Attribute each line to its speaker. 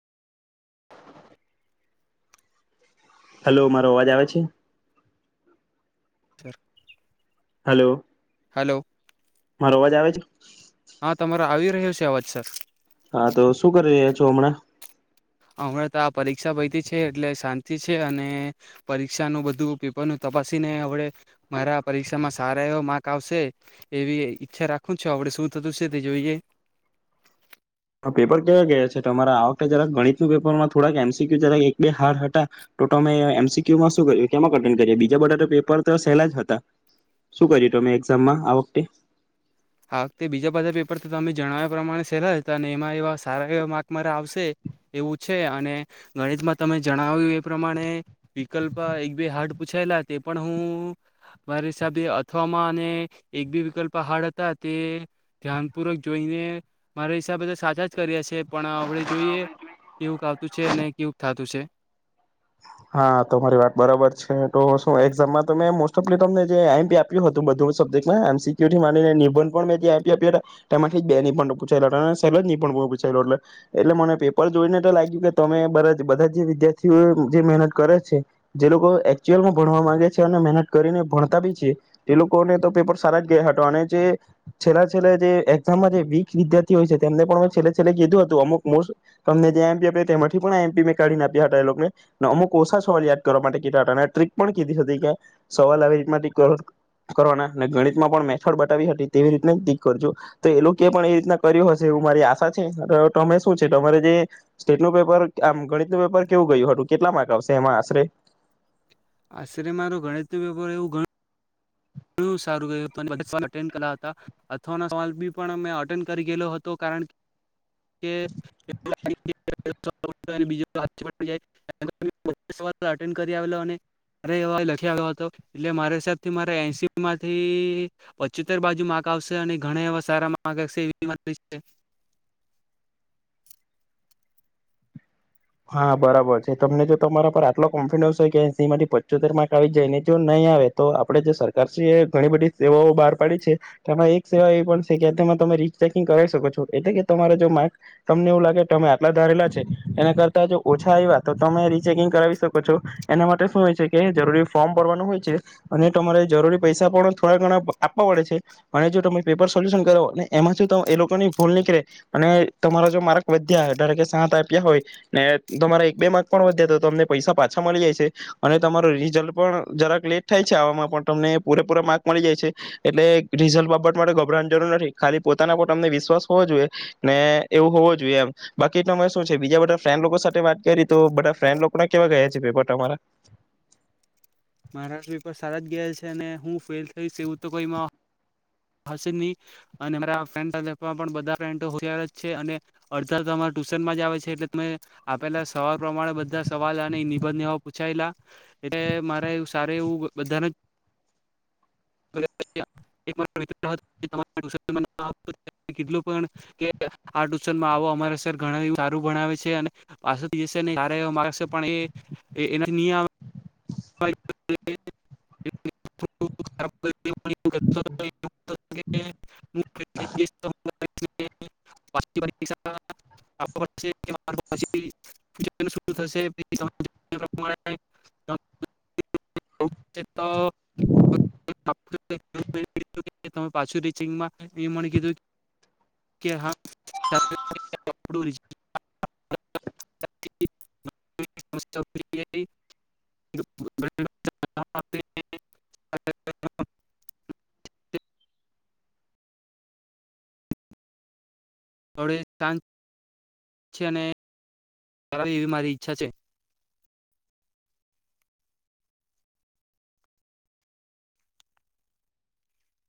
Speaker 1: Hello મારો અવાજ આવે છે.
Speaker 2: સરાર.
Speaker 1: હાલો.
Speaker 2: હલો
Speaker 1: મારો અવાજ આવે છે.
Speaker 2: હા તમારે આવી રહ્યું છે અવાજ સર.
Speaker 1: હા તો શું કરી રહ્યા છો હમણા?
Speaker 2: હમણાં તો આ પરીક્ષા [unintelligible] છે એટલે શાંતિ છે અને પરીક્ષાનુંું બધું પેપર નું તપાસીનેડ મારા પરીક્ષામાં સારા એવા માર્ક આવશે એવી ઈચ્છા રાખું છ આપડ શું થતું છે તે જોઈએ.
Speaker 1: પેપર કવા ગયા છે તમારા આ વખતે જરાક ગણિતનું પેપરમાં થોડાક એમસીક્યુ જરા એક બે હાર્ડ હતા તો તમે એમસીક્યુમાં શું કર્યું કેમાં કટેન્ડ કરી બીજા બધા તો પેપર તો સહેલા જ હતા શું કર્યું તમે એક્ઝામમાં આ વખતે
Speaker 2: હા વખતે બીજા બધા પેપર તો તમે જણાવ્યા પ્રમાણે સેલા હતા અને એમાં એવા સારા એવા માર્ક મારે આવશે એવું છે અને ગણિતમાં તમે જણાવ્યું એ પ્રમાણે વિકલ્પ એક બે હાર્ડ પૂછાયેલા તે પણ હું મારા હિસાબે અથવાવામાં અને એક બે વિકલ્પ હાર્ડ હતા. તે ધ્યાનપૂર્વક જોઈને મારા હિસાબે તો સાચા જ કરીએ છે. પણ આપડે જોઈએ કેવુંક આવતું છે અને કેક થતું છે.
Speaker 1: હા તોરી વાત બરાબર છે તો શું એક્ઝામમાં મોસ્ટ ઓફ તમને જેઈપી આપ્યું હતું બધું સબ્જેક્ટમાં એમસીક્યુ થી માનીનેંધ મેપી આપ એમાંથી બે પણ પૂછેલા સહે પૂછાયેુંટલે એટલે મને પેપર જોઈને એ લાગ્યું કે તમે બ બધા જે વિદ્યાર્થીઓ જે મહેનત કરે છે જે લોકો એકચુઅલમાં ભણવા માંગે છે અને મહેનત કરીને ભણતા બી છે તે લોકોને તો પેપર સારા જ ગયા હતા અને જે છેલ્લા છેલ્લા જે એક્ઝામમાં જે વીક વિદ્યાર્થી હોય છે તેમને પણ છેલ્લે છેલ્લે કીધું હતું અમુક મોસ્ટ તમને જેમપી આપ તેમાંથી પણ આમપી મેં કાઢીને આપ્યા હતા એને. અમુક ઓછા સવાલ યાદ કરવા માટે કેટ ટ્રીક પણ કીધી હતી કે સવાલ આવી રીત ટક કરવાના ને ગણિતમાં પણ મેથડ બતાવી હતી તેવી રીત ટીક કરજો તો એ લોકો પણ એવી રીતના કર્યું હશે એવું મારી આશા છે તમે શું છે તમારે જે સ્ટેટનું પેપર આમ ગણિતનું પેપર કેવું ગયું હતું. કેટલા માર્ક આવશે એમાં આશરે.
Speaker 2: આશરે્ય મારો ગણિત ન પેપર એવું ગણ અથવા સલ પણ કરી ગયેલો હતો કારણ લ હતો એટલે મારા હિસાબથી મા થી પચોતેર બાજુ માર્ક આવશે અને ઘણા એવા સારા માર્ક આવશે એ.
Speaker 1: હા બરાબર છે તમને જો તમારા પર આટલો કોન્ફિડન્સ હોય કે સં માંથી પચોતેર માર્ક આવી જાયને જો નહીં આવે તો આપડે જે સરકારશ એ ઘણી બધી સેવાઓ બહાર પાડી છે તેમાં એક સેવા એવી પણ છે કે તેમાં તમે રીચેકિંગ કરાવ શકો છો એટલે કે તમારે જો માર્ક તમને એવું લાગે અમે આટલા ધારેલા છે એના કર ઓછા આવ્યા તો તમે રીચેકિંગ કરાવી શકો છો એના માટે શું હોય છે કે જરૂરી ફોર્મ ભરવાનું હોય છે અને તમારે જરૂરી પૈસા પણ થોડા ઘણા આપવા પડે છે અને જો તમે પેપર સોલ્યુશન કરો એમાં શ એ લોકોની ભૂલ નીકળે અને તમારા જો માર્ક વધ્યા વધારે કે સાત આપ્યા હોય. ને તમારા એક બે માર્ક પણ વધ્યા તો તમને પૈસા પાછા મળી જાય છે અને તમારો રીઝલ્ટ પણ જરાક લેટ થાય છે આવામાં પણ તમને પૂરેપૂરા માર્ક મળી જાય છે એટલે રિઝલ્ટ બાબત માટે ગભરાવાની જરૂર નથી ખાલી પોતાના પર તમને વિશ્વાસ હોવો જોઈએ ને એવું હોવો જોઈએ એમ બાકી તમે શું છે બીજા ફ્રેન્ડ સાથે વાત કરી તો બધા ફ્રેન્ડ લોકો ના કેવા ગયા છે પેપર તમારા.
Speaker 2: મારા પેપર સારા જ ગયાેલ છે અને હું ફેલ થઈશ એવું તો કોઈ ન અને મારા ફન્માં પણ બધા ફન્યાર છે અને અડધરા ટ્યુશનમાં જ આવે છે એટલે તમે આપેલા સવાલ પ્રમાણે બધા સવાલ અને નિબંધ પૂછાયેલા એટલે મારે સ એવું બધાને [inaudible] ટુશનમાં આવો અમારા સર ઘણાં સારું ભણાવે છે અને [inaudible] [inaudible] કે આ પછી બી [inaudible] [inaudible] તો [inaudible] તમે પાછું રીચિંગમાં એ કીધું કે હા [inaudible] [inaudible] થડે શાંત છે અને હવે એવી મારી ઈચ્છા છે.